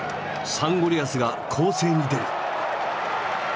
サンゴリアスが攻勢に出る。